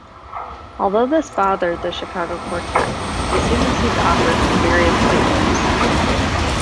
Although this bothered the Chicago quartet, they soon received offers from various labels.